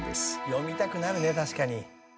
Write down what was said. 詠みたくなるね確かに。